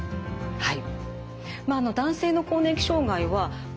はい。